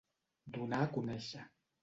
Donar a conèixer.